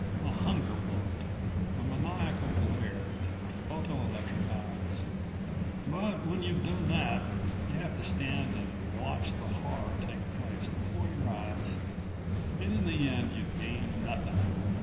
A hunger bloat, a maniacal glare in photo electric eyes. But when you've done that, you have to stand and watch the horror take place before your eyes and in the end you've gained nothing